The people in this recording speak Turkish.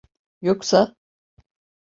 Yoksa...